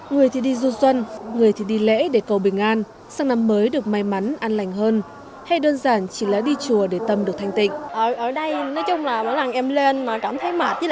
người thì đi du xuân người thì đi lễ để cầu bình an sang năm mới được may mắn an lành hơn hay đơn giản chỉ là đi chùa để tâm được thanh tịnh